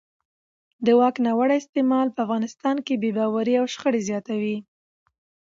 د واک ناوړه استعمال په افغانستان کې بې باورۍ او شخړې زیاتوي